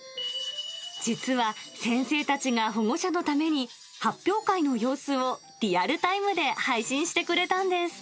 実は先生たちが保護者のために、発表会の様子をリアルタイムで配信してくれたんです。